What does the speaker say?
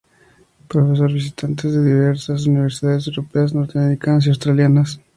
Profesor visitantes de diversas universidades europeas, norteamericanas y australianas.